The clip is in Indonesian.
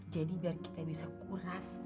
jadi biar kita bisa kuras